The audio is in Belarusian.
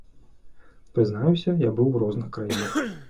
Прызнаюся, я быў у розных краінах.